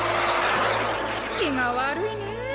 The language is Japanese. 口が悪いねぇ。